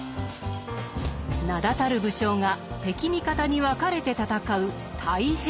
名だたる武将が敵味方に分かれて戦う「太平記」。